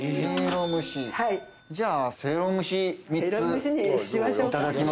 じゃあせいろ蒸し３ついただきますか。